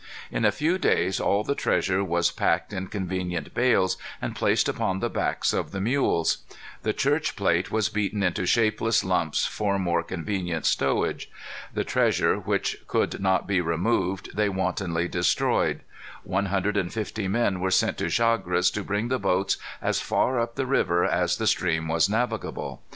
In a few days all the treasure was packed in convenient bales, and placed upon the backs of the mules. The church plate was beaten into shapeless lumps for more convenient stowage. The treasure which could not be removed they wantonly destroyed. One hundred and fifty men were sent to Chagres to bring the boats as far up the river as the stream was navigable.